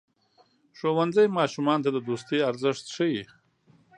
ښوونځی ماشومانو ته د دوستۍ ارزښت ښيي.